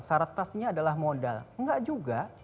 syarat pastinya adalah modal enggak juga